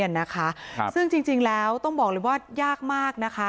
นะคะครับซึ่งจริงจริงแล้วต้องบอกเลยว่ายากมากนะคะ